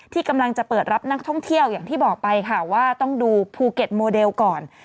ที่กำลังจะเปิดรับนักท่องเที่ยวอย่างที่บอกไปค่ะว่าต้องดูภูเก็ตโมเดลก่อน